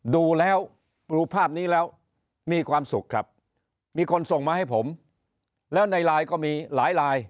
ดูแล้วดูภาพนี้แล้วมีความสุขครับมีคนส่งมาให้ผมแล้วในไลน์ก็มีหลายลาย